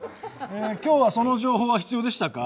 今日はその情報は必要でしたか？